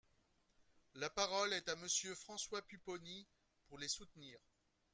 La parole est à Monsieur François Pupponi, pour les soutenir.